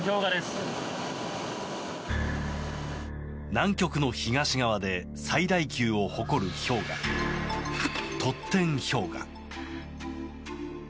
南極の東側で最大級を誇る氷河トッテン氷河。